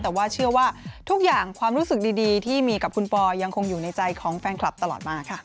แต่ว่าเชื่อว่าทุกอย่างความรู้สึกดีที่มีกับคุณปอยังคงอยู่ในใจของแฟนคลับตลอดมาค่ะ